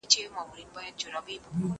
منډه د لوبغاړي لخوا وهل کېږي!!